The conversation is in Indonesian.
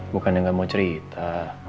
bukan yang gak mau cerita